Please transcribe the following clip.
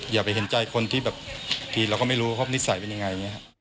อยากไปเห็นใจคนที่แบบทีเราก็ไม่รู้ครอบนิสัยเป็นยังไง